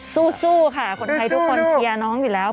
สู้ค่ะคนไทยทุกคนเชียร์น้องอยู่แล้ว